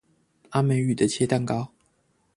阿美語的切蛋糕